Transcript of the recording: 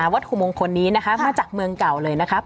วัตถุมงคลนี้นะคะมาจากเมืองเก่าเลยนะครับ